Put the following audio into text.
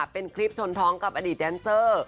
เป็นคลิปชนท้องกับอดีตแดนเซอร์